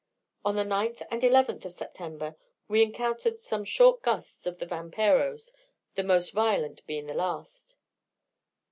On the 9th and 11th of September, we encountered some short gusts of the vamperos, the most violent being the last.